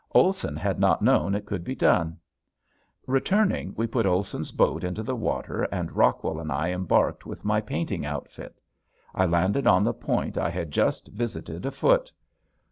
Olson had not known it could be done. Returning we put Olson's boat into the water and Rockwell and I embarked with my painting outfit. I landed on the point I had just visited afoot.